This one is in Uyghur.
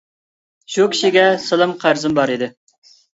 شۇ كىشىگە سالام قەرزىم بار ئىدى.